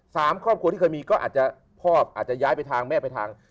สามครอบครัวที่เคยมีก็อาจจะพ่ออาจจะย้ายไปทางแม่ไปทาง